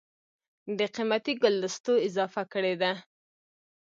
دَ قېمتي ګلدستو اضافه کړې ده